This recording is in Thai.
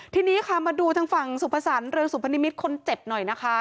ทีนี้ค่ะมาดูทางฝั่งสุภสรรคเรืองสุพนิมิตรคนเจ็บหน่อยนะคะ